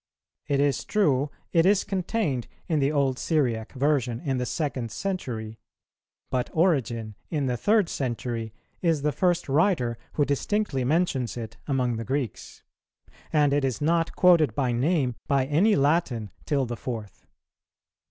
It is true, it is contained in the old Syriac version in the second century; but Origen, in the third century, is the first writer who distinctly mentions it among the Greeks; and it is not quoted by name by any Latin till the fourth.